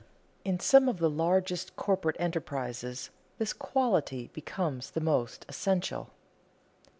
In some of the largest corporate enterprises this quality becomes the most essential.